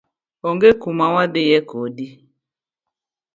Onge kumawadhie kodi.